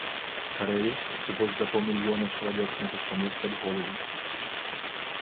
Карэю, дзе больш за паўмільёна чалавек могуць памерці ад голаду.